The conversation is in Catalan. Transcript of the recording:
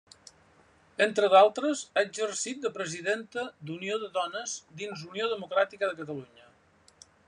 Entre d'altres, ha exercit de presidenta d'Unió de Dones, dins d'Unió Democràtica de Catalunya.